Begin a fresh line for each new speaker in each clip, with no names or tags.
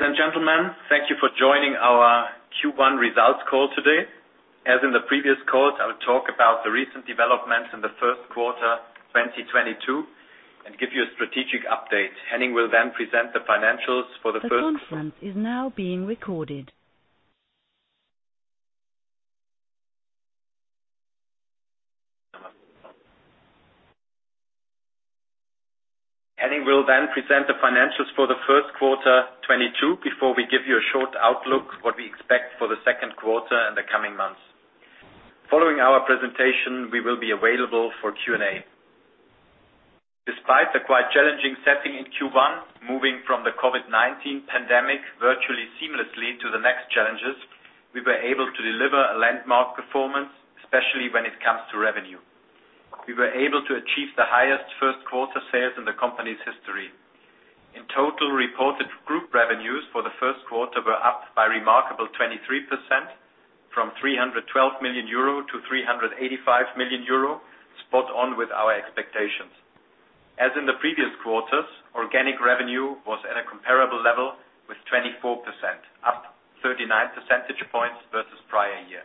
Ladies and gentlemen, thank you for joining our Q1 results call today. As in the previous calls, I will talk about the recent developments in the Q1 2022, and give you a strategic update. Henning will then present the financials for the first-
The conference is now being recorded.
Henning will then present the financials for the Q1 2022, before we give you a short outlook, what we expect for the Q2 and the coming months. Following our presentation, we will be available for Q&A. Despite the quite challenging setting in Q1, moving from the COVID-19 pandemic virtually seamlessly to the next challenges, we were able to deliver a landmark performance, especially when it comes to revenue. We were able to achieve the highest Q1 sales in the company's history. In total, reported group revenues for the Q1 were up by a remarkable 23% from 312 million euro to 385 million euro, spot on with our expectations. As in the previous quarters, organic revenue was at a comparable level with 24%, up 39 percentage points versus prior year.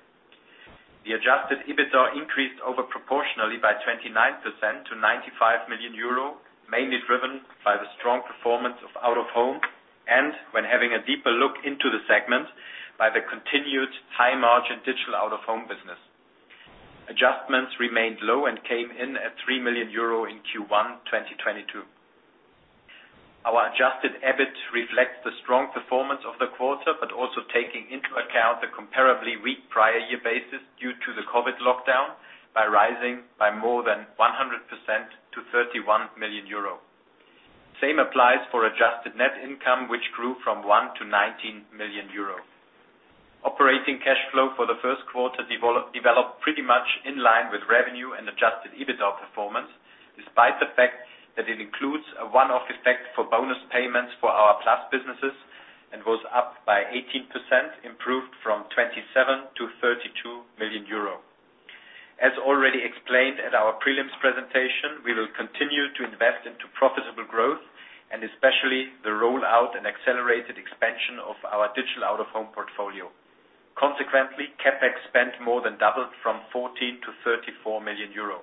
The adjusted EBITDA increased over proportionally by 29% to 95 million euro, mainly driven by the strong performance of out-of-home and when having a deeper look into the segment by the continued high-margin digital out-of-home business. Adjustments remained low and came in at 3 million euro in Q1 2022. Our adjusted EBIT reflects the strong performance of the quarter, but also taking into account the comparably weak prior year basis due to the COVID lockdown, by rising by more than 100% to 31 million euro. Same applies for adjusted net income, which grew from 1 million to 19 million euro. Operating cash flow for the Q1 developed pretty much in line with revenue and adjusted EBITDA performance, despite the fact that it includes a one-off effect for bonus payments for our Plus businesses and was up by 18%, improved from 27 million to 32 million euro. As already explained at our prelims presentation, we will continue to invest into profitable growth and especially the rollout and accelerated expansion of our digital out-of-home portfolio. Consequently, CapEx spent more than doubled from 14 million to 34 million euro.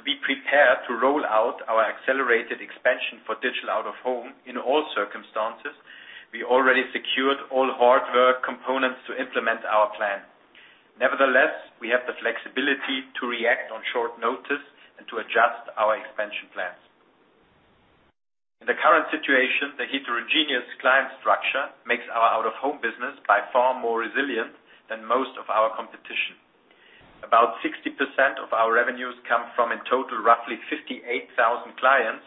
To be prepared to roll out our accelerated expansion for digital out-of-home in all circumstances, we already secured all hardware components to implement our plan. Nevertheless, we have the flexibility to react on short notice and to adjust our expansion plans. In the current situation, the heterogeneous client structure makes our out-of-home business by far more resilient than most of our competition. About 60% of our revenues come from, in total, roughly 58,000 clients,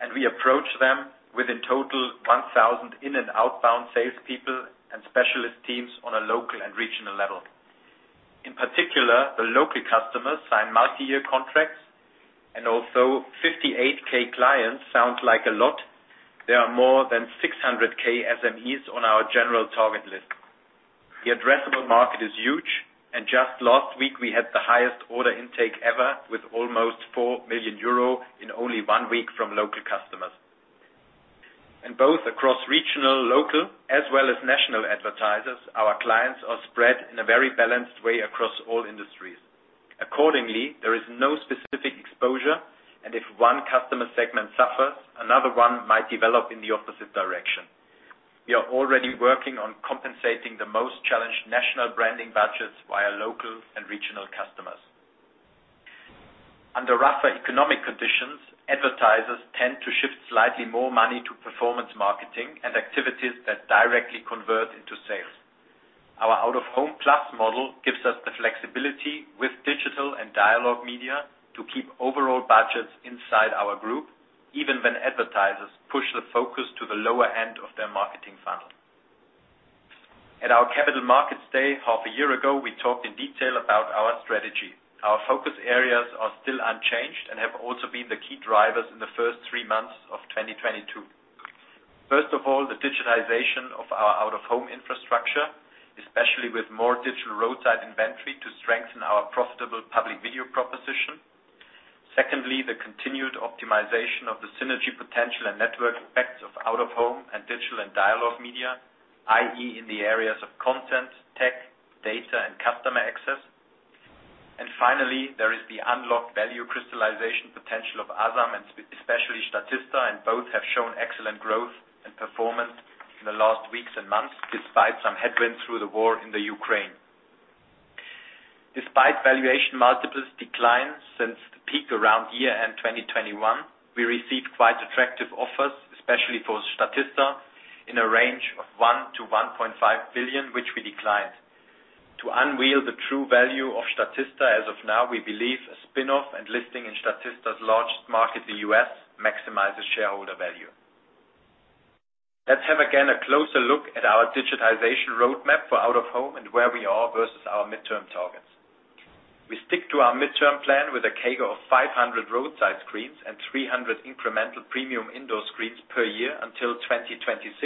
and we approach them with, in total, 1,000 inbound and outbound salespeople and specialist teams on a local and regional level. In particular, the local customers sign multi-year contracts, and although 58,000 clients sounds like a lot, there are more than 600,000 SMEs on our general target list. The addressable market is huge, and just last week we had the highest order intake ever with almost 4 million euro in only one week from local customers. In both, across regional, local, as well as national advertisers, our clients are spread in a very balanced way across all industries. Accordingly, there is no specific exposure, and if one customer segment suffers, another one might develop in the opposite direction. We are already working on compensating the most challenged national branding budgets via local and regional customers. Under rougher economic conditions, advertisers tend to shift slightly more money to performance marketing and activities that directly convert into sales. Our out-of-home Plus model gives us the flexibility with digital and dialogue media to keep overall budgets inside our group, even when advertisers push the focus to the lower end of their marketing funnel. At our Capital Markets Day half a year ago, we talked in detail about our strategy. Our focus areas are still unchanged and have also been the key drivers in the first three months of 2022. First of all, the digitization of our out-of-home infrastructure, especially with more digital roadside inventory to strengthen our profitable Public Video proposition. Secondly, the continued optimization of the synergy potential and network effects of out-of-home and digital and dialogue media, i.e., in the areas of content, tech, data, and customer access. Finally, there is the unlocked value crystallization potential of Asam and especially Statista, and both have shown excellent growth and performance in the last weeks and months, despite some headwinds through the war in Ukraine. Despite valuation multiples decline since the peak around year-end, 2021, we received quite attractive offers, especially for Statista, in a range of $1 billion-$1.5 billion, which we declined. To unveil the true value of Statista as of now, we believe a spin-off and listing in Statista's largest market, the U.S., maximizes shareholder value. Let's have again a closer look at our digitization roadmap for out-of-home and where we are versus our midterm targets. We stick to our midterm plan with a CAGR of 500 roadside screens and 300 incremental premium indoor screens per year until 2026,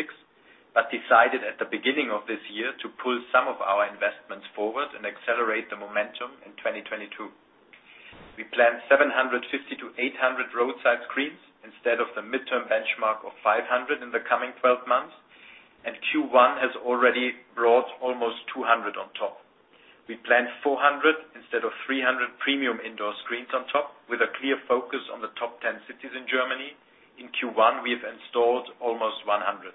but decided at the beginning of this year to pull some of our investments forward and accelerate the momentum in 2022. We planned 750-800 roadside screens instead of the midterm benchmark of 500 in the coming 12 months, and Q1 has already brought almost 200 on top. We planned 400 instead of 300 premium indoor screens on top, with a clear focus on the top 10 cities in Germany. In Q1, we have installed almost 100.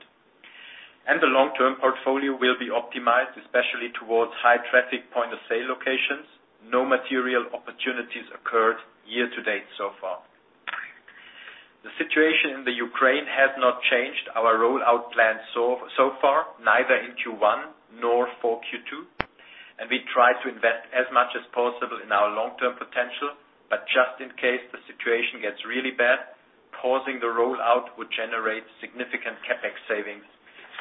The long-term portfolio will be optimized, especially towards high traffic point-of-sale locations. No material opportunities occurred year-to-date so far. The situation in the Ukraine has not changed our rollout plan so far, neither in Q1 nor for Q2, and we try to invest as much as possible in our long-term potential. Just in case the situation gets really bad, pausing the rollout would generate significant CapEx savings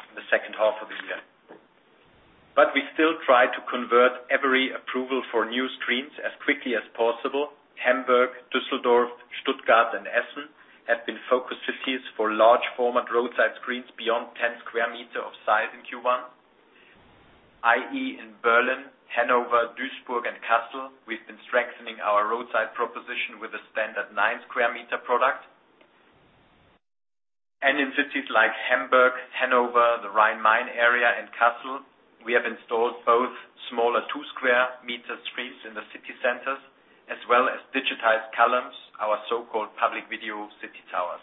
in the H2 of the year. We still try to convert every approval for new screens as quickly as possible. Hamburg, Düsseldorf, Stuttgart, and Essen have been focus cities for large format roadside screens beyond 10 square meters of size in Q1. i.e., in Berlin, Hannover, Duisburg, and Kassel, we've been strengthening our roadside proposition with a standard nine square meter product. In cities like Hamburg, Hannover, the Rhine-Main area, and Kassel, we have installed both smaller two square meter screens in the city centers, as well as digitized columns, our so-called Public Video City Towers.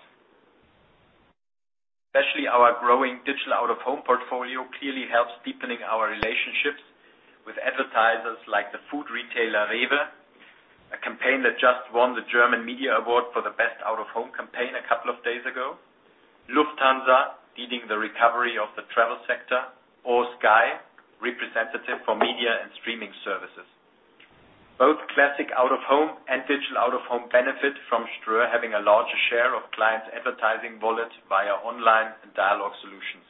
Especially our growing digital out-of-home portfolio clearly helps deepening our relationships with advertisers like the food retailer, REWE, a campaign that just won the Deutscher Mediapreis for the best out-of-home campaign a couple of days ago, Lufthansa, leading the recovery of the travel sector, or Sky, representative for media and streaming services. Both classic out-of-home and digital out-of-home benefit from Ströer having a larger share of clients' advertising budget via online and dialogue solutions.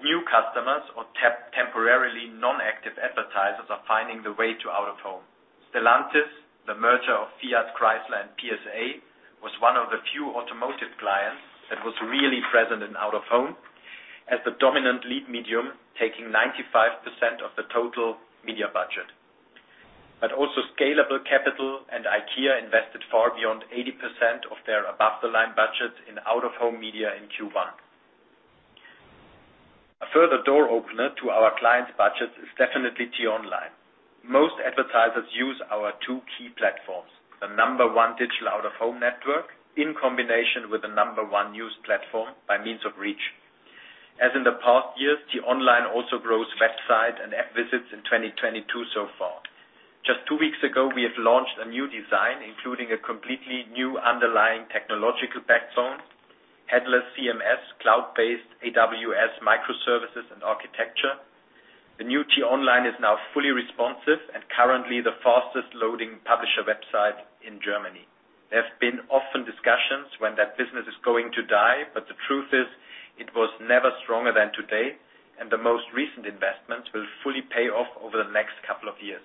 New customers or temporarily non-active advertisers are finding their way to out-of-home. Stellantis, the merger of Fiat Chrysler and PSA, was one of the few automotive clients that was really present in out-of-home as the dominant lead medium, taking 95% of the total media budget. Also Scalable Capital and IKEA invested far beyond 80% of their above the line budget in out-of-home media in Q1. A further door opener to our clients' budget is definitely t-online. Most advertisers use our two key platforms, the number one digital out-of-home network, in combination with the number one news platform by means of reach. As in the past years, t-online also grows website and app visits in 2022 so far. Just two weeks ago, we have launched a new design, including a completely new underlying technological backbone, headless CMS, cloud-based AWS microservices, and architecture. The new t-online is now fully responsive and currently the fastest-loading publisher website in Germany. There have been often discussions when that business is going to die, but the truth is, it was never stronger than today, and the most recent investment will fully pay off over the next couple of years.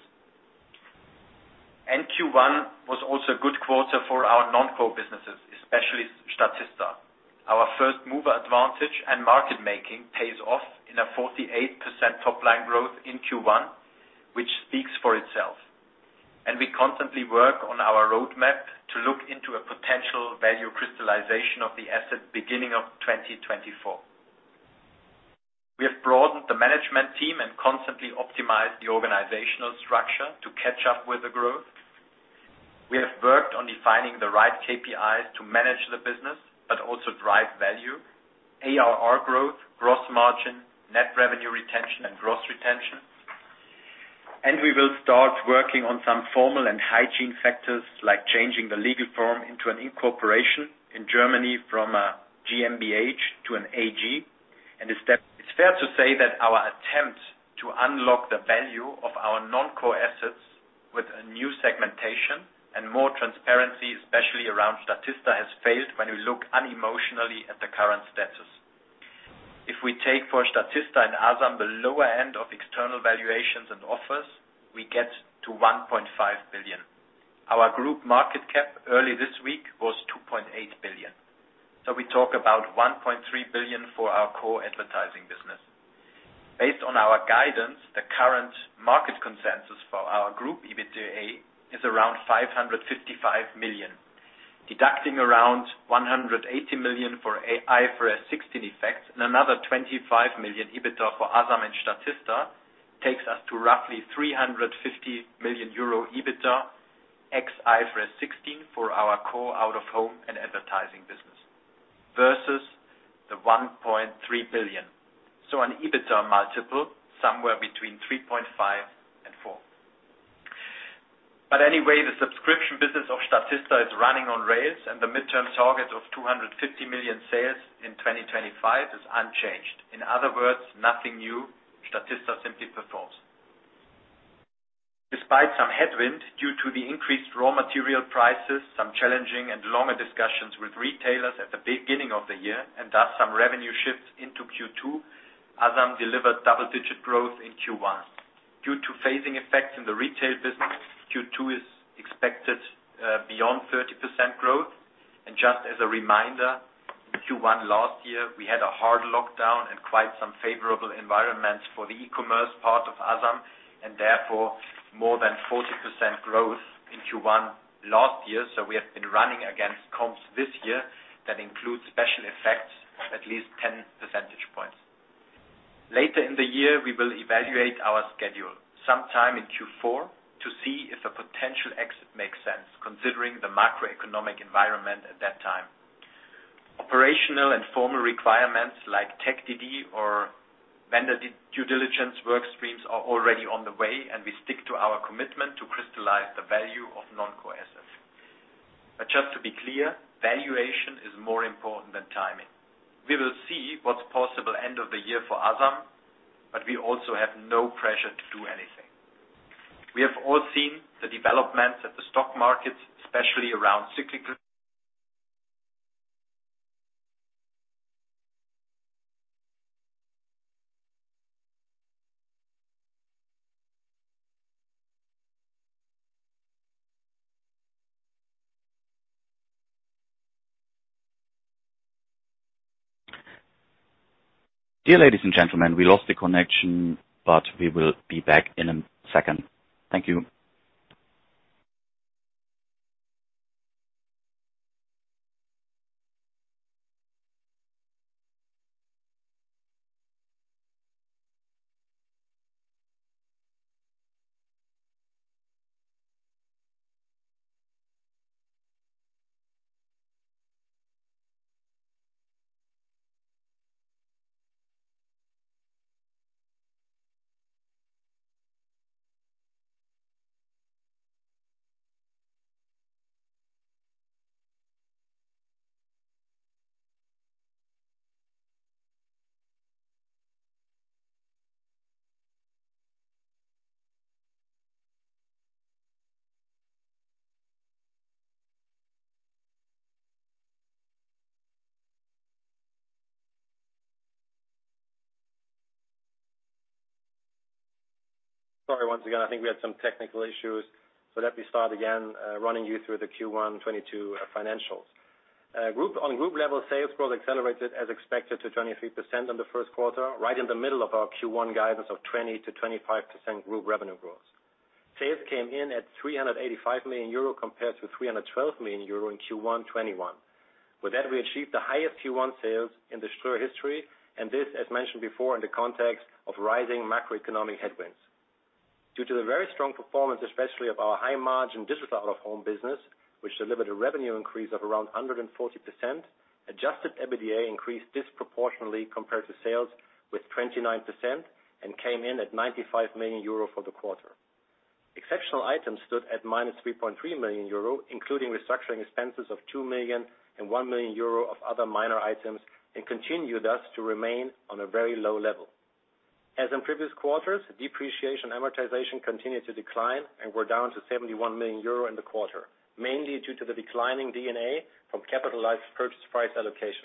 Q1 was also a good quarter for our non-core businesses, especially Statista. Our first-mover advantage and market making pays off in a 48% top line growth in Q1, which speaks for itself. We constantly work on our roadmap to look into a potential value crystallization of the asset beginning of 2024. We have broadened the management team and constantly optimized the organizational structure to catch up with the growth. We have worked on defining the right KPIs to manage the business, but also drive value, ARR growth, gross margin, net revenue retention, and gross retention. We will start working on some formal and hygiene factors, like changing the legal form into an incorporation in Germany from a GmbH to an AG. It's fair to say that our attempt to unlock the value of our non-core assets with a new segmentation and more transparency, especially around Statista, has failed when we look unemotionally at the current status. If we take, for Statista and Asam, the lower end of external valuations and offers, we get to 1.5 billion. Our group market cap early this week was 2.8 billion. We talk about 1.3 billion for our core advertising business. Based on our guidance, the current market consensus for our group EBITDA is around 555 million. Deducting around 180 million for IFRS 16 effects and another 25 million EBITDA for Asam and Statista takes us to roughly 350 million euro EBITDA ex IFRS 16 for our core out-of-home and advertising business. Versus the 1.3 billion. An EBITDA multiple somewhere between 3.5 and 4. Anyway, the subscription business of Statista is running on rails, and the midterm target of 250 million sales in 2025 is unchanged. In other words, nothing new. Statista simply performs. Despite some headwind due to the increased raw material prices, some challenging and longer discussions with retailers at the beginning of the year, and thus some revenue shifts into Q2, Asam delivered double-digit growth in Q1. Due to phasing effects in the retail business, Q2 is Beyond 30% growth. Just as a reminder, Q1 last year, we had a hard lockdown and quite some favorable environments for the e-commerce part of Asam, and therefore more than 40% growth in Q1 last year. We have been running against comps this year that includes special effects at least 10 percentage points. Later in the year, we will evaluate our schedule sometime in Q4 to see if a potential exit makes sense considering the macroeconomic environment at that time. Operational and formal requirements like Tech DD or vendor due diligence work streams are already on the way, and we stick to our commitment to crystallize the value of non-core assets. Just to be clear, valuation is more important than timing. We will see what's possible end of the year for Asam, but we also have no pressure to do anything.
We have all seen the developments at the stock markets, especially around cyclical.
Dear ladies and gentlemen, we lost the connection, but we will be back in a second. Thank you.
Sorry, once again, I think we had some technical issues. Let me start again, running you through the Q1 2022 financials. On group level, sales growth accelerated as expected to 23% in the Q1, right in the middle of our Q1 guidance of 20%-25% group revenue growth. Sales came in at 385 million euro compared to 312 million euro in Q1 2021. With that, we achieved the highest Q1 sales in the Ströer history, and this, as mentioned before, in the context of rising macroeconomic headwinds. Due to the very strong performance, especially of our high margin digital out-of-home business, which delivered a revenue increase of around 140%, adjusted EBITDA increased disproportionately compared to sales with 29% and came in at 95 million euro for the quarter. Exceptional items stood at -3.3 million euro, including restructuring expenses of 2 million and 1 million euro of other minor items, and continued thus to remain on a very low level. As in previous quarters, depreciation and amortization continued to decline and were down to 71 million euro in the quarter, mainly due to the declining D&A from capitalized purchase price allocation.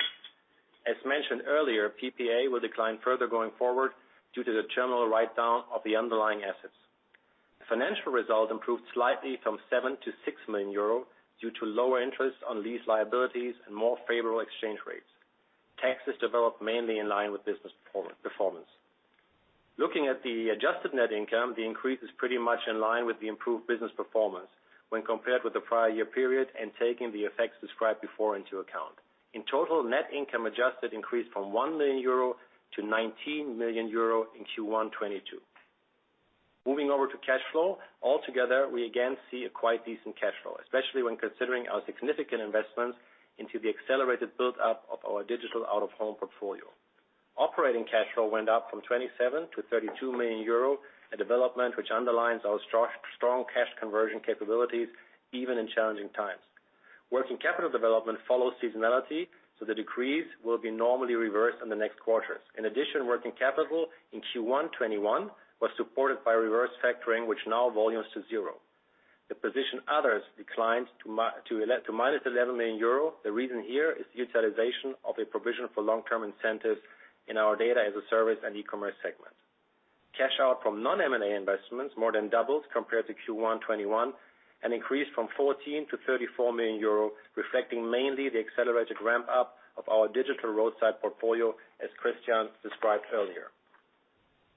As mentioned earlier, PPA will decline further going forward due to the general write down of the underlying assets. Financial results improved slightly from 7 million to 6 million euro due to lower interest on lease liabilities and more favorable exchange rates. Taxes developed mainly in line with business performance. Looking at the adjusted net income, the increase is pretty much in line with the improved business performance when compared with the prior year period and taking the effects described before into account. In total, net income adjusted increased from 1 million euro to 19 million euro in Q1 2022. Moving over to cash flow. Altogether, we again see a quite decent cash flow, especially when considering our significant investments into the accelerated build-up of our digital out-of-home portfolio. Operating cash flow went up from 27 million to 32 million euro, a development which underlines our strong cash conversion capabilities even in challenging times. Working capital development follows seasonality, so the decrease will be normally reversed in the next quarters. In addition, working capital in Q1 2021 was supported by reverse factoring, which now amounts to zero. The 'others' position declined to -11 million euro. The reason here is the utilization of a provision for long-term incentives in our Data as a Service and E-Commerce segment. Cash out from non-M&A investments more than doubles compared to Q1 2021 and increased from 14 million to 34 million euro, reflecting mainly the accelerated ramp up of our digital roadside portfolio, as Christian described earlier.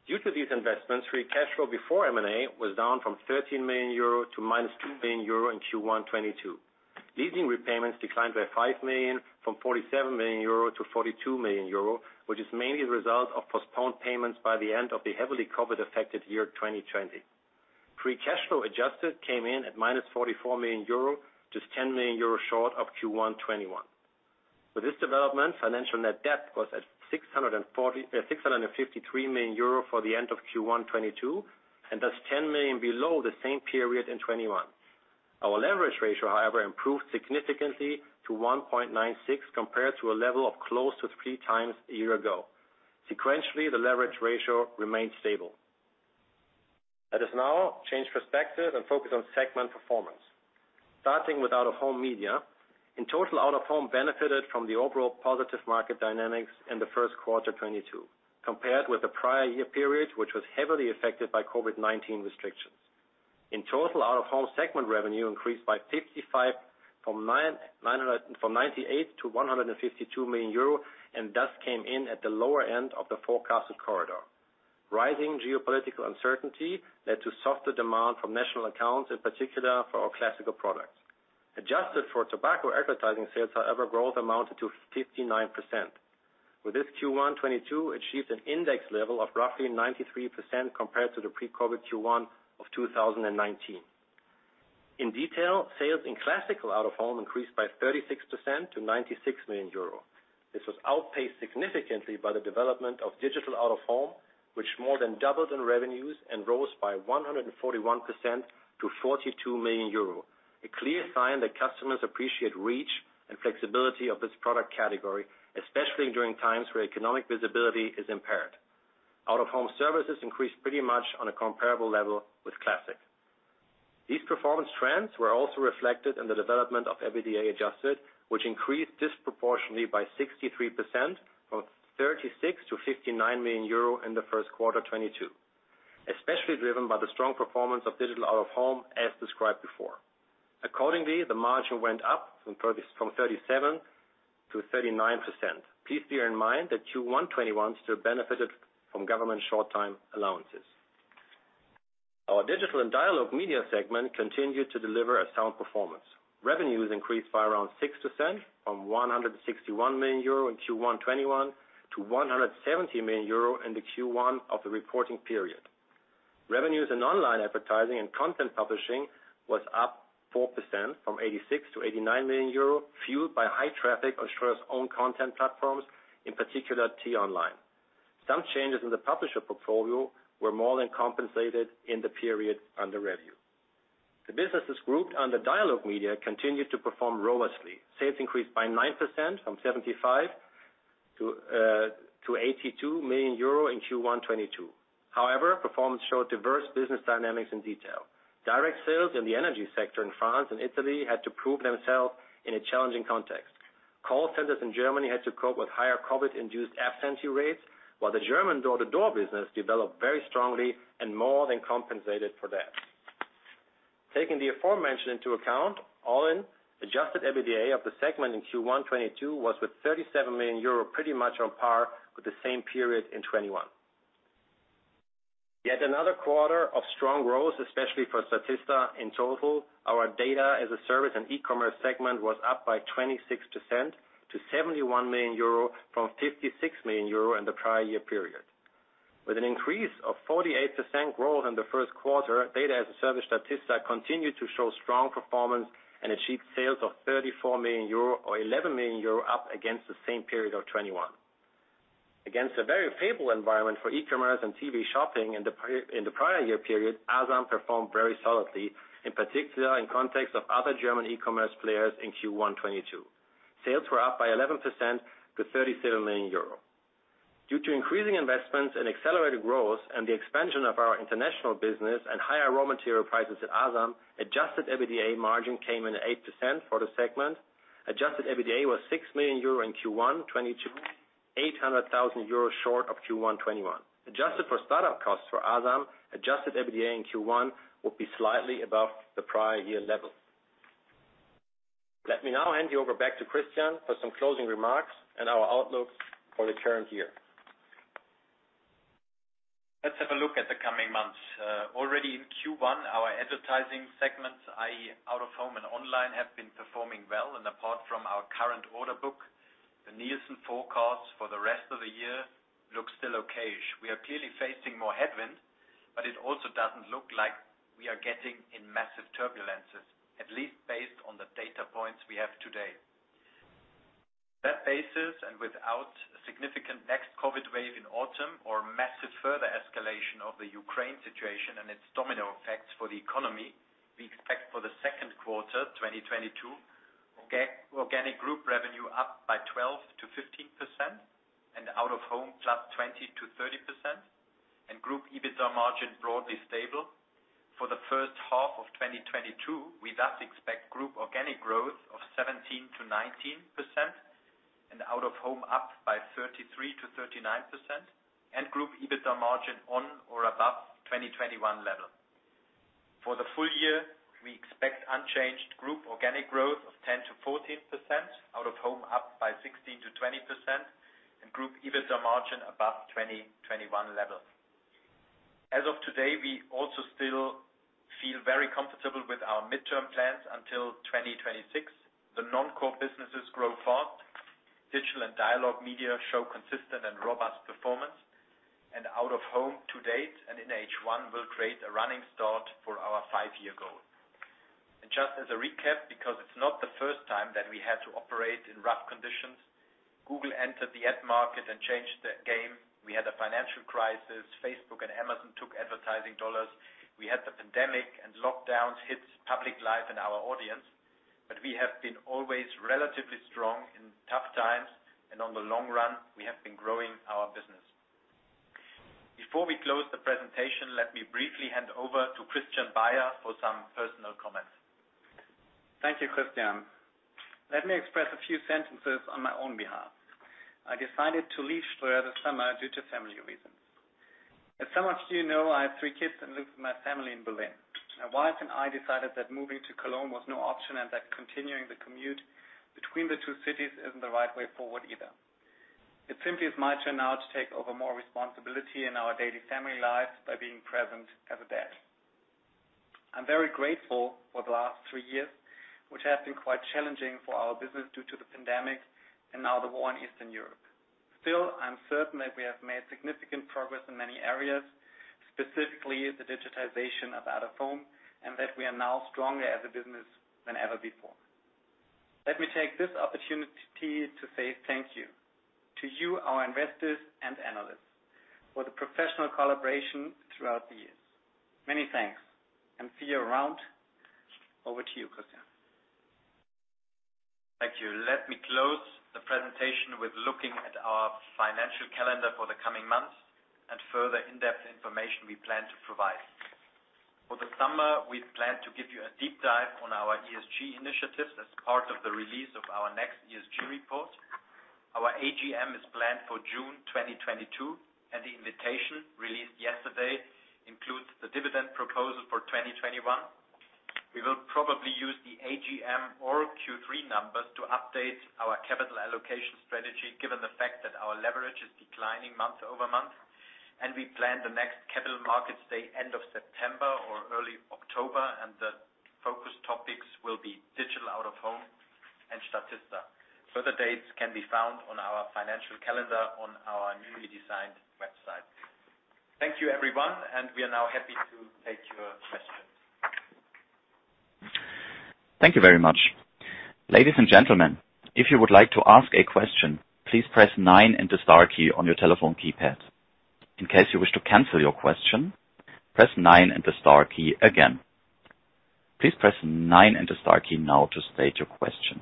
Due to these investments, free cash flow before M&A was down from 13 million euro to -2 million euro in Q1 2022. Leasing repayments declined by 5 million from 47 million euro to 42 million euro, which is mainly the result of postponed payments by the end of the heavily COVID affected year 2020. Free cash flow adjusted came in at -44 million euro, just 10 million euro short of Q1 2021. With this development, financial net debt was at 653 million euro for the end of Q1 2022, and that's 10 million below the same period in 2021. Our leverage ratio, however, improved significantly to 1.96 compared to a level of close to 3 times a year ago. Sequentially, the leverage ratio remained stable. Let us now change perspective and focus on segment performance. Starting with out-of-home media. In total, out-of-home benefited from the overall positive market dynamics in the Q1 2022 compared with the prior year period, which was heavily affected by COVID-19 restrictions. In total, out-of-home segment revenue increased by 55% from 98 million to 152 million euro, and thus came in at the lower end of the forecasted corridor. Rising geopolitical uncertainty led to softer demand from national accounts, in particular, for our classical products. Adjusted for tobacco advertising sales, however, growth amounted to 59%. With this Q1 2022 achieved an index level of roughly 93% compared to the pre-COVID Q1 of 2019. In detail, sales in classical out-of-home increased by 36% to 96 million euro. This was outpaced significantly by the development of digital out-of-home, which more than doubled in revenues and rose by 141% to 42 million euro. A clear sign that customers appreciate reach and flexibility of this product category, especially during times where economic visibility is impaired. Out-of-home services increased pretty much on a comparable level with classic. These performance trends were also reflected in the development of EBITDA adjusted, which increased disproportionately by 63% from 36 million to 59 million euro in the Q1 2022. Especially driven by the strong performance of digital out-of-home, as described before. Accordingly, the margin went up from 37% to 39%. Please bear in mind that Q1 2021 still benefited from government short-time allowances. Our Digital & Dialog Media segment continued to deliver a sound performance. Revenues increased by around 6% from 161 million euro in Q1 2021 to 170 million euro in the Q1 of the reporting period. Revenues in online advertising and content publishing was up 4% from 86 million-89 million euro, fueled by high traffic on Ströer's own content platforms, in particular t-online. Some changes in the publisher portfolio were more than compensated in the period under review. The businesses grouped under Dialogue Media continued to perform robustly. Sales increased by 9% from 75 million-82 million euro in Q1 2022. However, performance showed diverse business dynamics in detail. Direct sales in the energy sector in France and Italy had to prove themselves in a challenging context. Call centers in Germany had to cope with higher COVID-induced absentee rates, while the German door-to-door business developed very strongly and more than compensated for that. Taking the aforementioned into account, all in, adjusted EBITDA of the segment in Q1 2022 was, with 37 million euro, pretty much on par with the same period in 2021. Yet another quarter of strong growth, especially for Statista. In total, our Data as a Service and e-commerce segment was up by 26% to 71 million euro from 56 million euro in the prior year period. With an increase of 48% growth in the Q1, Data as a Service Statista continued to show strong performance and achieved sales of 34 million euro or 11 million euro up against the same period of 2021. Against a very favorable environment for e-commerce and TV shopping in the prior year period, Asam performed very solidly, in particular in context of other German e-commerce players in Q1 2022. Sales were up by 11% to 37 million euro. Due to increasing investments and accelerated growth and the expansion of our international business and higher raw material prices at Asam, adjusted EBITDA margin came in at 8% for the segment. Adjusted EBITDA was 6 million euro in Q1 2022, 800,000 euro short of Q1 2021. Adjusted for startup costs for Asam, adjusted EBITDA in Q1 would be slightly above the prior year level. Let me now hand you over back to Christian for some closing remarks and our outlooks for the current year.
Let's have a look at the coming months. Already in Q1, our advertising segments, i.e., out-of-home and online, have been performing well. Apart from our current order book, the Nielsen forecast for the rest of the year looks still okay. We are clearly facing more headwind, but it also doesn't look like we are getting in massive turbulences, at least based on the data points we have today. That basis, and without a significant next COVID wave in autumn or massive further escalation of the Ukraine situation and its domino effects for the economy, we expect for the Q2 2022, organic group revenue up by 12%-15% and out-of-home +20%-30% and group EBITDA margin broadly stable. For the first half of 2022, we thus expect group organic growth of 17%-19% and out-of-home up by 33%-39% and group EBITDA margin on or above 2021 level. For the full year, we expect unchanged group organic growth of 10%-14%, out-of-home up by 16%-20% and group EBITDA margin above 2021 level. As of today, we also still feel very comfortable with our midterm plans until 2026. The non-core businesses grow fast. Digital & Dialog Media show consistent and robust performance. Out-of-home to date and in H1 will create a running start for our five-year goal. Just as a recap, because it's not the first time that we had to operate in rough conditions. Google entered the ad market and changed the game. We had a financial crisis.
Facebook and Amazon took advertising dollars. We had the pandemic and lockdowns hit public life and our audience. We have been always relatively strong in tough times, and on the long run, we have been growing our business. Before we close the presentation, let me briefly hand over to Christian Baier for some personal comments. Thank you, Christian. Let me express a few sentences on my own behalf. I decided to leave Ströer this summer due to family reasons. As some of you know, I have three kids and live with my family in Berlin. My wife and I decided that moving to Cologne was no option, and that continuing the commute between the two cities isn't the right way forward either. It simply is my turn now to take over more responsibility in our daily family life by being present as a dad.
I'm very grateful for the last three years, which have been quite challenging for our business due to the pandemic and now the war in Eastern Europe. Still, I'm certain that we have made significant progress in many areas, specifically the digitization of out-of-home, and that we are now stronger as a business than ever before. Let me take this opportunity to say thank you to you, our investors and analysts, for the professional collaboration throughout the years. Many thanks. See you around. Over to you, Christian. Thank you. Let me close the presentation with looking at our financial calendar for the coming months and further in-depth information we plan to provide. For the summer, we plan to give you a deep dive on our ESG initiatives as part of the release of our next ESG report. Our AGM is planned for June 2022, and the invitation released yesterday includes the dividend proposal for 2021. We will probably use the AGM or Q3 numbers to update our capital allocation strategy, given the fact that our leverage is declining month-over-month. We plan the next capital markets day end of September or early October, and the focus topics will be digital out-of-home and Statista. Further dates can be found on our financial calendar on our newly designed website. Thank you, everyone, and we are now happy to take your questions.
Thank you very much. Ladies and gentlemen, if you would like to ask a question, please press nine and the star key on your telephone keypad. In case you wish to cancel your question, press nine and the star key again. Please press nine and the star key now to state your question.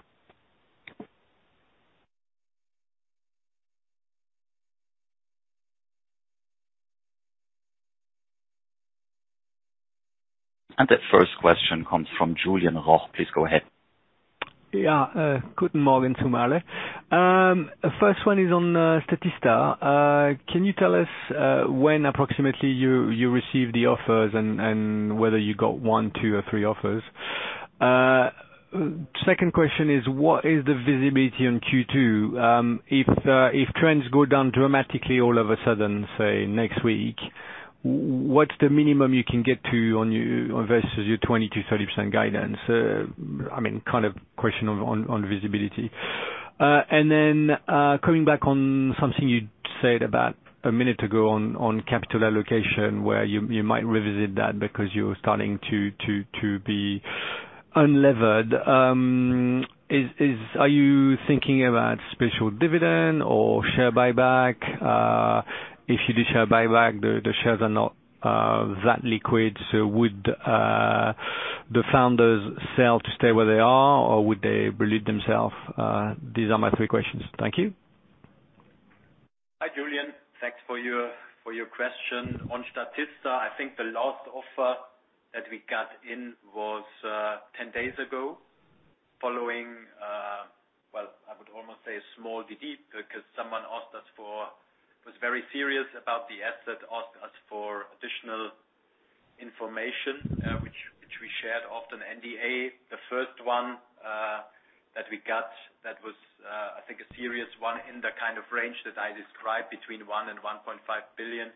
The first question comes from Julien Roch. Please go ahead.
First one is on Statista. Can you tell us when approximately you received the offers and whether you got one, two, or three offers? Second question is, what is the visibility on Q2? If trends go down dramatically all of a sudden, say next week, what's the minimum you can get to on your versus your 20%-30% guidance? I mean, kind of question on visibility. Coming back on something you said about a minute ago on capital allocation, where you might revisit that because you're starting to be unlevered. Are you thinking about special dividend or share buyback? If you do share buyback, the shares are not that liquid, so would the founders sell to stay where they are, or would they bleed themselves? These are my three questions. Thank you.
Hi, Julian. Thanks for your question. On Statista, I think the last offer that we got in was 10 days ago, following well, I would almost say a small DD, because someone was very serious about the asset, asked us for additional information, which we shared under an NDA. The first one that we got that was, I think a serious one in the kind of range that I described between 1 billion and 1.5 billion,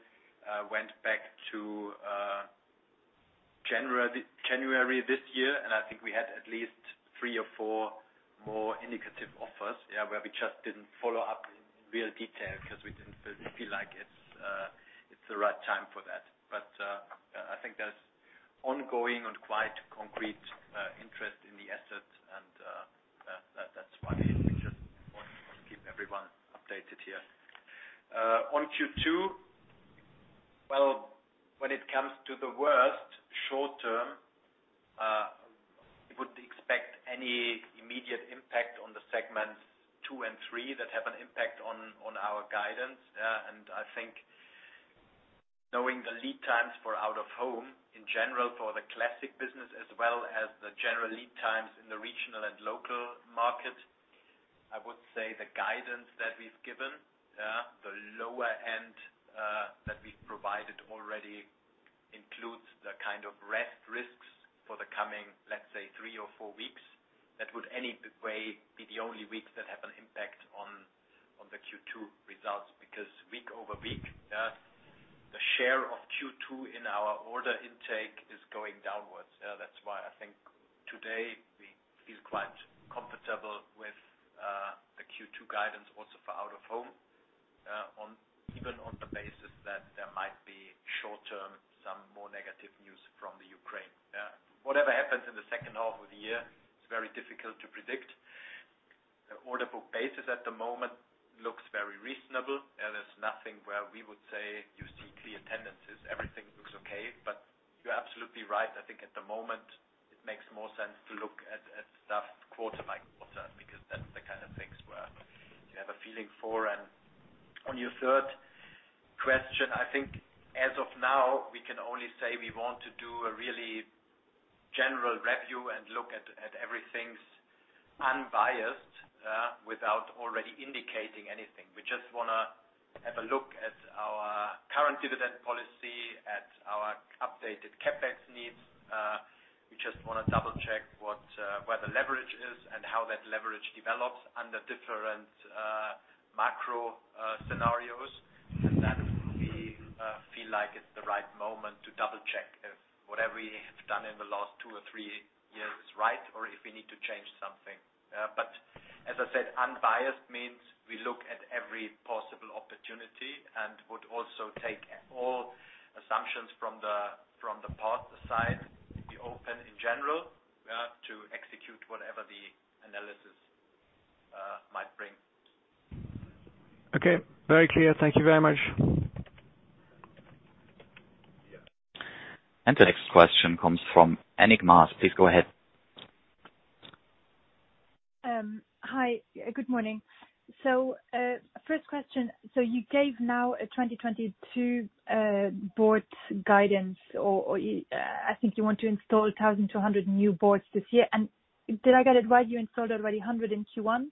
went back to January this year. I think we had at least 3 or 4 more indicative offers, where we just didn't follow up in real detail 'cause we didn't feel like it's the right time for that. I think there's ongoing and quite concrete interest in the asset and that's why we just want to keep everyone updated here. On Q2, well, when it comes to the worst-case short-term, we wouldn't expect any immediate impact on the segments 2 and 3 that have an impact on our guidance. I think knowing the lead times for out-of-home in general, for the classic business as well as the general lead times in the regional and local market, I would say the guidance that we've given, the lower end that we've provided already includes the kind of residual risks for the coming, let's say, three or four weeks. That would anyway be the only weeks that have an impact on the Q2 results. Because week over week, the share of Q2 in our order intake is going downwards. That's why I think today we feel quite comfortable with the Q2 guidance also for out-of-home, on even on the basis that there might be short-term some more negative news from the Ukraine. Whatever happens in the H2 of the year, it's very difficult to predict. The order book basis at the moment looks very reasonable. There's nothing where we would say you see clear tendencies. Everything. Right. I think at the moment it makes more sense to look at stuff quarter-by-quarter, because that's the kind of things where you have a feeling for. On your third question, I think as of now, we can only say we want to do a really general review and look at everything unbiased, without already indicating anything. We just wanna have a look at our current dividend policy, at our updated CapEx needs. We just wanna double-check where the leverage is and how that leverage develops under different macro scenarios. We feel like it's the right moment to double-check if what we have done in the last two or three years is right, or if we need to change something. As I said, unbiased means we look at every possible opportunity and would also take all assumptions from the path aside, be open in general, to execute whatever the analysis might bring.
Okay. Very clear. Thank you very much.
The next question comes from Annick Maas. Please go ahead.
Hi. Good morning. First question: you gave now a 2022 board guidance. I think you want to install 1,200 new boards this year. Did I get it right, you installed already 100 in Q1?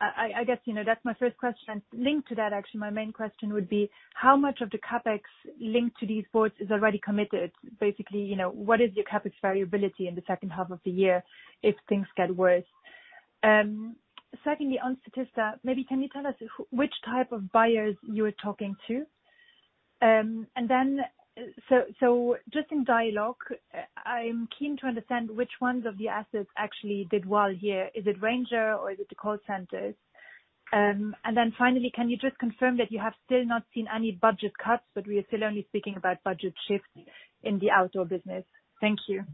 I guess, you know, that's my first question. Linked to that, actually, my main question would be, how much of the CapEx linked to these boards is already committed? Basically, you know, what is your CapEx variability in the H2 of the year if things get worse? Secondly, on Statista, maybe can you tell us which type of buyers you are talking to? Just in dialogue, I'm keen to understand which ones of the assets actually did well here. Is it Ranger or is it the call centers? Finally, can you just confirm that you have still not seen any budget cuts, but we are still only speaking about budget shifts in the outdoor business? Thank you.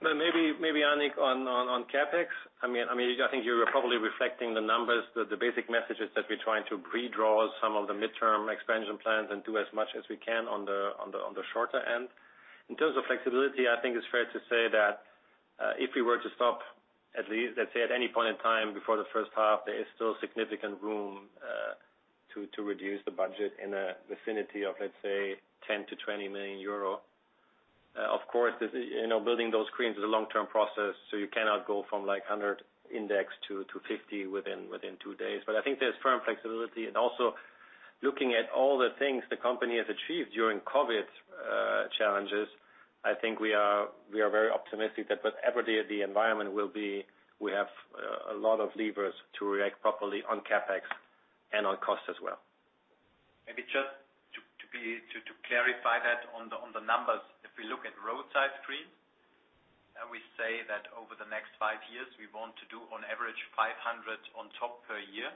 Maybe, Annick, on CapEx. I mean, I think you were probably reflecting the numbers. The basic message is that we're trying to redraw some of the midterm expansion plans and do as much as we can on the shorter end. In terms of flexibility, I think it's fair to say that if we were to stop, at least, let's say, at any point in time before the first half, there is still significant room to reduce the budget in a vicinity of, let's say, 10 million-20 million euro. Of course, this, you know, building those screens is a long-term process, so you cannot go from like 100 index to 50 within two days. I think there's firm flexibility. Looking at all the things the company has achieved during COVID challenges, I think we are very optimistic that whatever the environment will be, we have a lot of levers to react properly on CapEx and on cost as well. Maybe just to clarify that on the numbers. If we look at roadside screens, we say that over the next five years, we want to do on average 500 on top per year.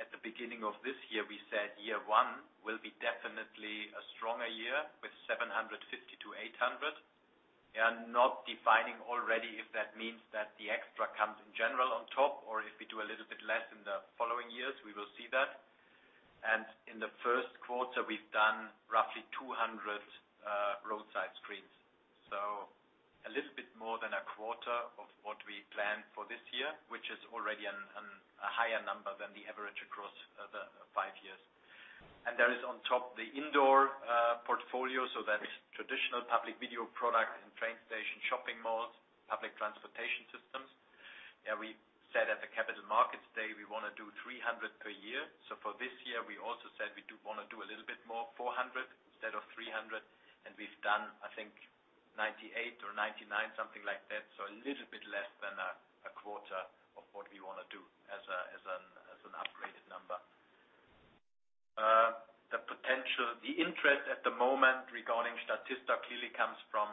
At the beginning of this year, we said year one will be definitely a stronger year with 750-800. We are not defining already if that means that the extra comes in general on top, or if we do a little bit less in the following years, we will see that. In the Q1, we've done roughly 200 roadside screens. So a little bit more than a quarter of what we planned for this year, which is already a higher number than the average across the 5 years. There is on top the indoor portfolio, so that is traditional Public Video product and train station, shopping malls, public transportation systems. We said at the Capital Markets Day, we wanna do 300 per year. So for this year, we also said we do wanna do a little bit more, 400 instead of 300. We've done, I think, 98 or 99, something like that. So a little bit less than a quarter of what we wanna do as an upgraded number. The interest at the moment regarding Statista clearly comes from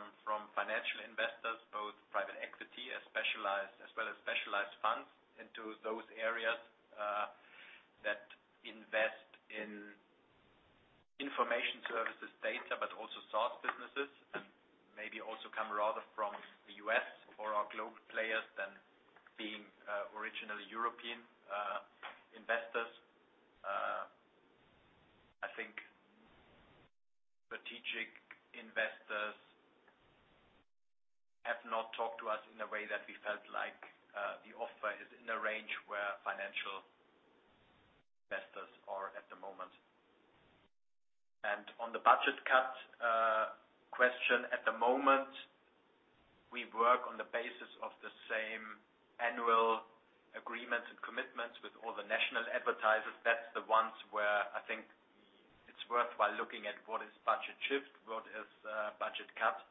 financial investors, both private equity as well as specialized funds into those areas that invest in information services data, but also SaaS businesses, and maybe also come rather from the U.S. or are global players than being originally European investors. I think strategic investors have not talked to us in a way that we felt like the offer is in a range where financial investors are at the moment. On the budget cut question, at the moment, we work on the basis of the same annual agreements and commitments with all the national advertisers. That's the ones where I think it's worthwhile looking at what is budget shift, what is budget cut.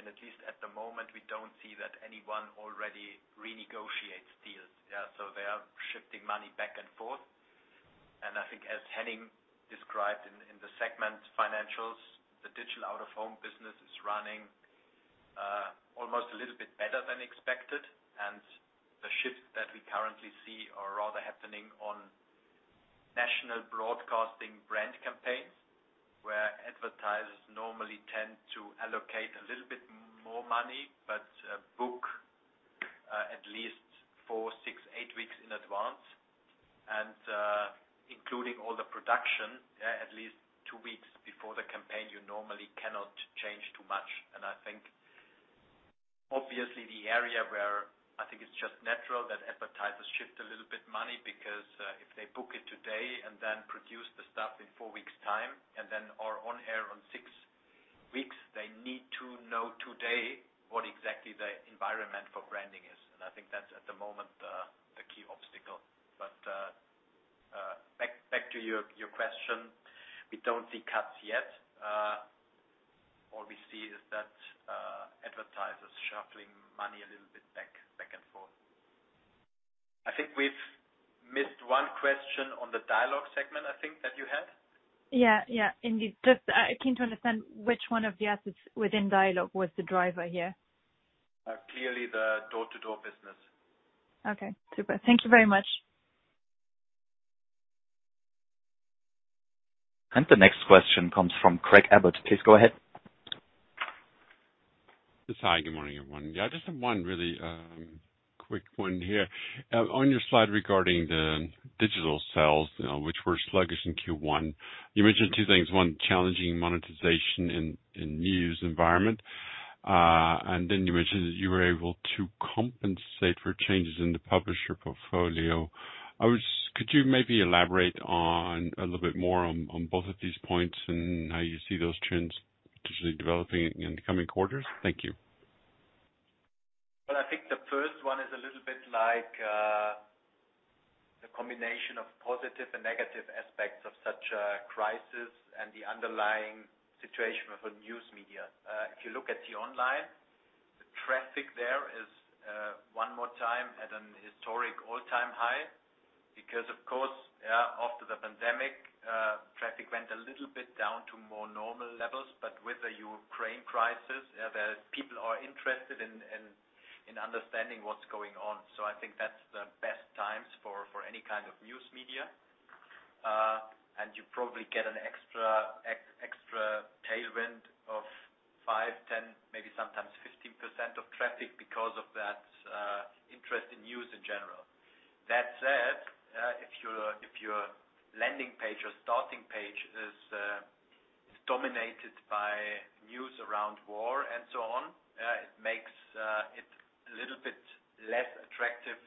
At least at the moment, we don't see that anyone already renegotiates deals. Yeah, they are shifting money back and forth. I think as Henning described in the segment financials, the digital out-of-home business is running almost a little bit better than expected. The shifts that we currently see are rather happening on national broadcasting brand campaigns, where advertisers, more money, but book at least 4, 6, 8 weeks in advance. Including all the production, at least 2 weeks before the campaign, you normally cannot change too much. I think, obviously the area where I think it's just natural that advertisers shift a little bit money because if they book it today and then produce the stuff in 4 weeks time, and then are on air in 6 weeks, they need to know today what exactly the environment for branding is. I think that's at the moment the key obstacle. Back to your question. We don't see cuts yet. All we see is that advertisers shuffling money a little bit back and forth. I think we've missed one question on the Dialog segment, I think that you had.
Yeah, yeah. Indeed. Just keen to understand which one of the assets within Dialog was the driver here.
Clearly the door-to-door business.
Okay. Super. Thank you very much.
The next question comes from Craig Abbott. Please go ahead.
Yes. Hi, good morning, everyone. Yeah, I just have one really quick one here. On your slide regarding the digital sales, you know, which were sluggish in Q1, you mentioned two things. One, challenging monetization in news environment. You mentioned that you were able to compensate for changes in the publisher portfolio. Could you maybe elaborate on a little bit more on both of these points and how you see those trends potentially developing in the coming quarters? Thank you.
Well, I think the first one is a little bit like the combination of positive and negative aspects of such a crisis and the underlying situation for news media. If you look at the online, the traffic there is one more time at an historic all-time high because of course, after the pandemic, traffic went a little bit down to more normal levels. But with the Ukraine crisis, the people are interested in understanding what's going on. So I think that's the best times for any kind of news media. And you probably get an extra tailwind of 5, 10, maybe sometimes 15% of traffic because of that interest in news in general. That said, if your landing page or starting page is dominated by news around war and so on, it makes it a little bit less attractive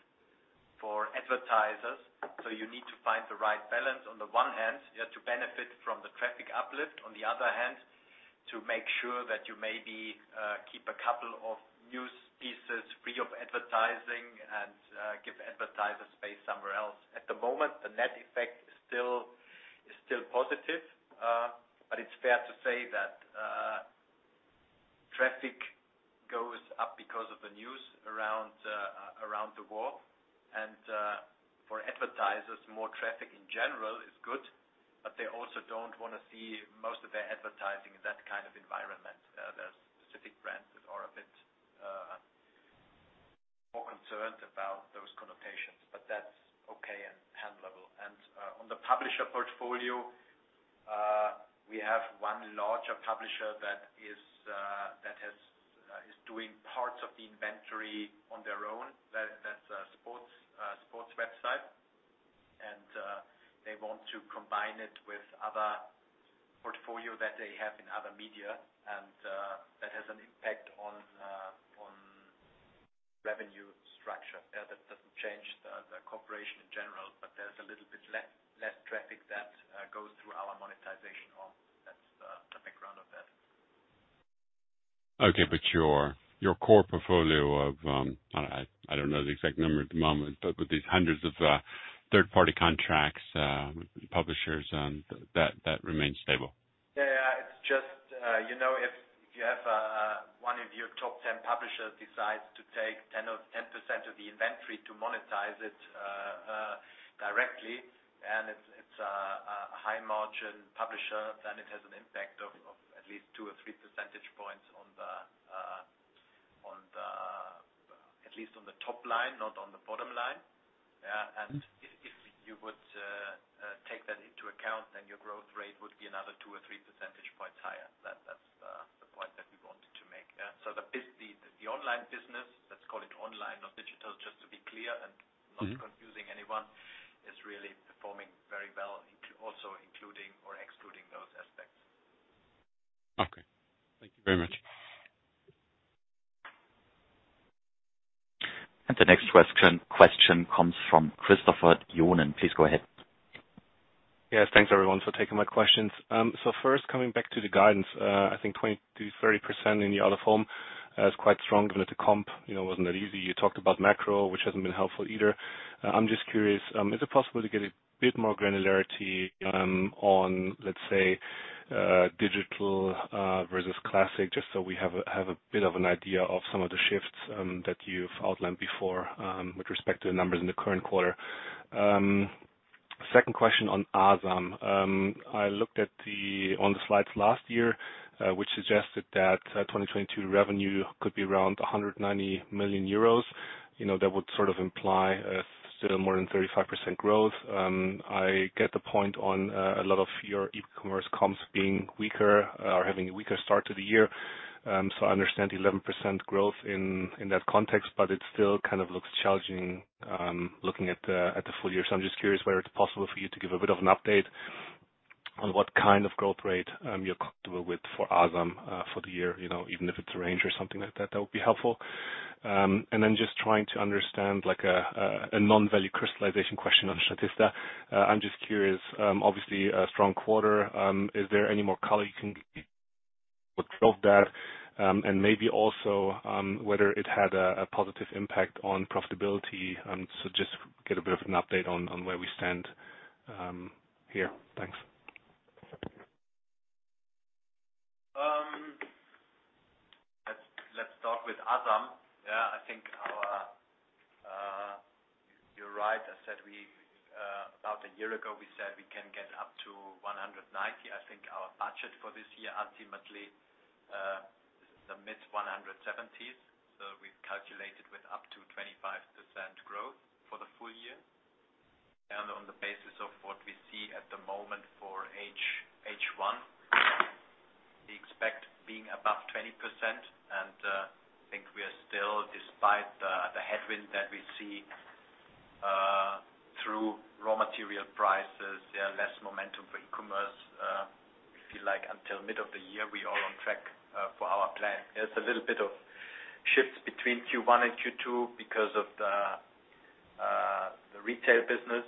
for advertisers. You need to find the right balance, on the one hand, to benefit from the traffic uplift, on the other hand, to make sure that you maybe keep a couple of news pieces free of advertising and give advertisers space somewhere else. At the moment, the net effect is still positive, but it's fair to say that traffic goes up because of the news around the war. For advertisers, more traffic in general is good, but they also don't wanna see most of their advertising in that kind of environment. There's specific brands that are a bit more concerned about those connotations, but that's okay and handleable. On the publisher portfolio, we have one larger publisher that is doing parts of the inventory on their own. That's a sports website. They want to combine it with other portfolio that they have in other media, and that has an impact on revenue structure. That doesn't change the cooperation in general, but there's a little bit less traffic that goes through our monetization arm. That's the background of that.
Okay. Your core portfolio of, I don't know the exact number at the moment, but with these hundreds of third-party contracts, publishers, that remains stable.
Yeah. It's just, you know, if you have one of your top 10 publishers decides to take 10% of the inventory to monetize it directly, and it's a high margin publisher, then it has an impact of at least two or three percentage points on the top line, not on the bottom line.
Mm-hmm.
If you would take that into account, then your growth rate would be another 2 or 3 percentage points higher. That's the point that we wanted to make. The online business, let's call it online, not digital, just to be clear and
Mm-hmm.
Not confusing anyone, is really performing very well, also including or excluding those aspects.
Okay. Thank you very much.
The next question comes from Christoph Löhrke. Please go ahead.
Yes, thanks everyone for taking my questions. First coming back to the guidance, I think 20%-30% in the out-of-home is quite strong, given that the comp, you know, wasn't that easy. You talked about macro, which hasn't been helpful either. I'm just curious, is it possible to get a bit more granularity on, let's say, digital versus classic, just so we have a bit of an idea of some of the shifts that you've outlined before with respect to the numbers in the current quarter. Second question on Asam. I looked at the one on the slides last year, which suggested that 2022 revenue could be around 190 million euros. You know, that would sort of imply a still more than 35% growth. I get the point on a lot of your e-commerce comps being weaker or having a weaker start to the year. I understand 11% growth in that context, but it still kind of looks challenging, looking at the full year. I'm just curious whether it's possible for you to give a bit of an update on what kind of growth rate you're comfortable with for Asam for the year, you know, even if it's a range or something like that would be helpful. Then just trying to understand like a non-value crystallization question on Statista. I'm just curious, obviously a strong quarter, is there any more color you can give what drove that. Maybe also, whether it had a positive impact on profitability. Just get a bit of an update on where we stand here. Thanks.
Let's start with Asam. Yeah, I think you're right. I said about a year ago, we said we can get up to 190. I think our budget for this year ultimately is the mid-EUR 170s. We've calculated with up to 25% growth for the full year. On the basis of what we see at the moment for H1, we expect being above 20%. I think we are still, despite the headwind that we see through raw material prices, there's less momentum for e-commerce. We feel like until mid of the year we are on track for our plan. There's a little bit of shifts between Q1 and Q2 because of the retail business.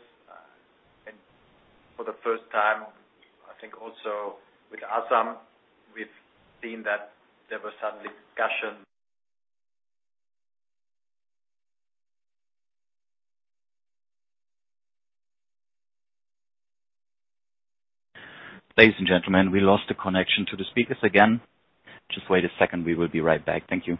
For the first time, I think also with Asam, we've seen that there were some discussion.
Ladies and gentlemen, we lost the connection to the speakers again. Just wait a second. We will be right back. Thank you.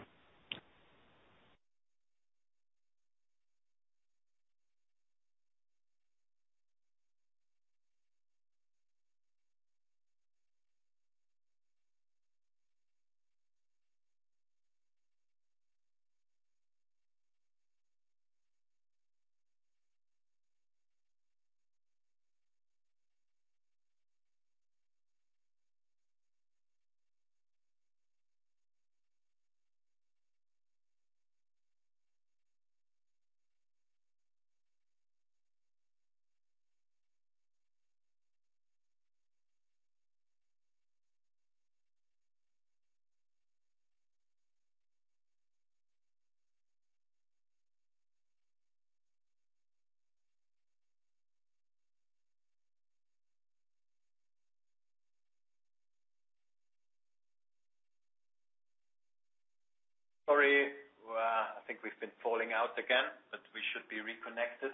Sorry. I think we've been falling out again, but we should be reconnected.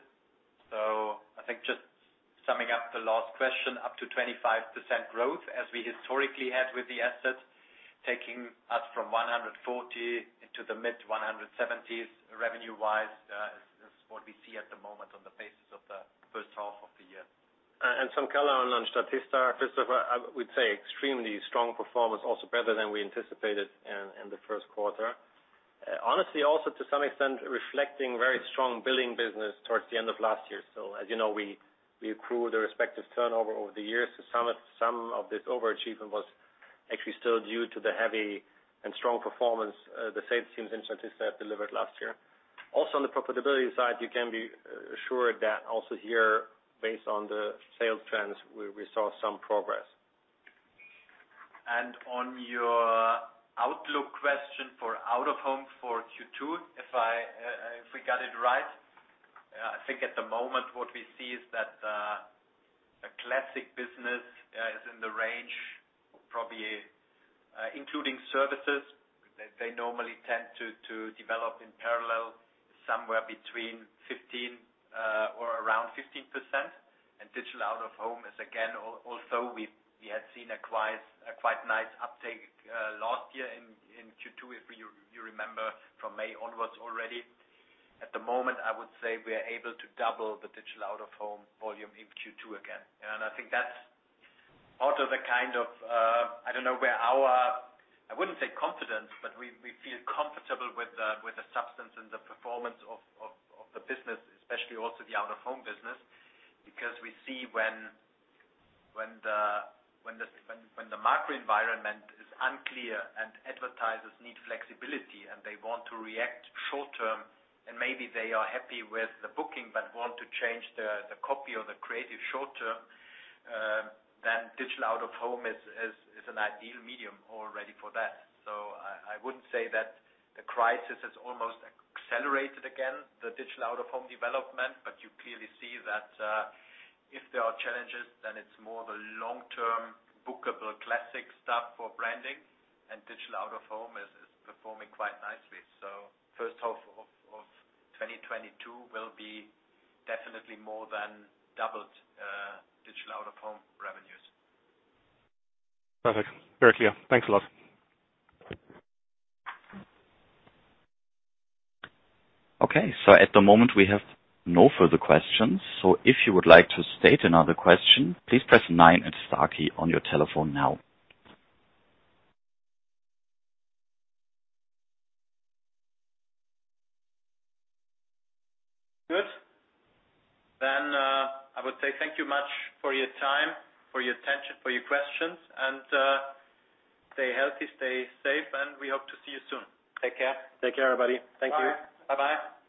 I think just summing up the last question, up to 25% growth as we historically had with the asset, taking us from 140 into the mid-EUR 170s revenue-wise, is what we see at the moment on the basis of the first half of the year.
Some color on Statista, Christopher, I would say extremely strong performance, also better than we anticipated in the Q1. Honestly, also to some extent, reflecting very strong billing business towards the end of last year. As you know, we accrue the respective turnover over the years. Some of this overachievement was actually still due to the heavy and strong performance the sales teams in Statista have delivered last year. Also, on the profitability side, you can be assured that also here, based on the sales trends, we saw some progress.
On your outlook question for out-of-home for Q2, if we got it right, I think at the moment what we see is that a classic business is in the range, probably, including services, they normally tend to develop in parallel somewhere between 15 or around 15%. Digital out-of-home is again, we had seen a quite nice uptake last year in Q2, if you remember, from May onwards already. At the moment, I would say we are able to double the digital out-of-home volume in Q2 again. I think that's also the kind of, I don't know, where our, I wouldn't say confidence, but we feel comfortable with the substance and the performance of the business, especially also the out-of-home business. Because we see when the macro environment is unclear and advertisers need flexibility and they want to react short-term and maybe they are happy with the booking but want to change the copy or the creative short-term, then digital out-of-home is an ideal medium already for that. I wouldn't say that the crisis has almost accelerated again, the digital out-of-home development, but you clearly see that if there are challenges, then it's more the long-term bookable classic stuff for branding and digital out-of-home is performing quite nicely. First half of 2022 will be definitely more than doubled digital out-of-home revenues.
Perfect. Very clear. Thanks a lot.
Okay. At the moment we have no further questions. If you would like to state another question, please press nine and star key on your telephone now.
Good. I would say thank you much for your time, for your attention, for your questions, and stay healthy, stay safe, and we hope to see you soon.
Take care. Take care, everybody. Thank you.
Bye. Bye-bye.